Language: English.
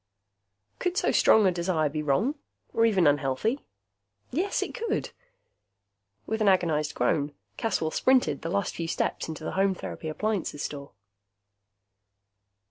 Could so strong a desire be wrong? Or even unhealthy? Yes, it could! With an agonized groan, Caswell sprinted the last few steps into the Home Therapy Appliances Store.